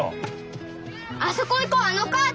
あそこ行こうあのカート！